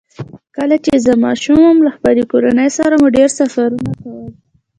کله چې زه ماشوم وم، له خپلې کورنۍ سره مو ډېر سفرونه کول.